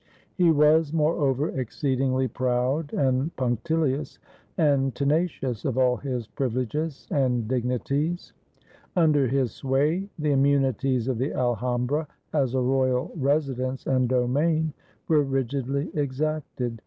He was, moreover, exceedingly proud and punctilious, and tenacious of all his privileges and dignities. Under his sway the immunities of the Alhambra, as a royal residence and domain, were rigidly exacted.